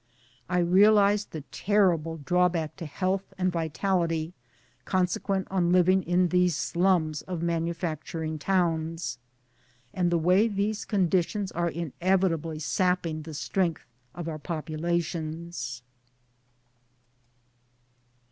I realized the terrible drawback to health and vitality consequent on living in these slums of manufacturing towns, and the way these conditions are inevitably sapping the strength of our populations..